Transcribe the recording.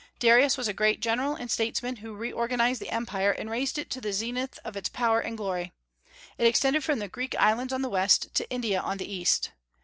Darius was a great general and statesman, who reorganized the empire and raised it to the zenith of its power and glory. It extended from the Greek islands on the west to India on the east.